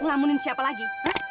ngelamunin siapa lagi